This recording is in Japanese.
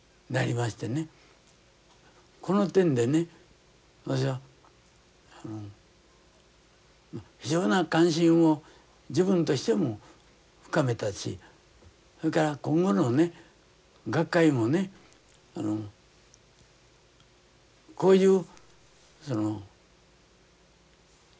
この点でねあの非常な関心を自分としても深めたしそれから今後のね学会もねこういうその調査研究の方法をね